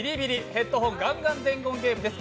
「ヘッドホンガンガン伝言ゲーム」です。